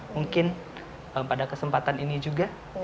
mungkin pada kesempatan ini juga